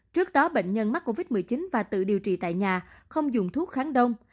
trước đó bệnh nhân mắc covid một mươi chín và tự điều trị tại nhà không dùng thuốc kháng đông